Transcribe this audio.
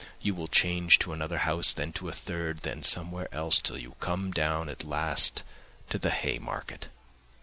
You will change to another house, then to a third, then somewhere else, till you come down at last to the Haymarket.